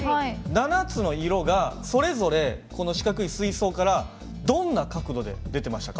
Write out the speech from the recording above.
７つの色がそれぞれこの四角い水槽からどんな角度で出てましたか？